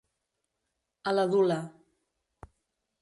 A la dula.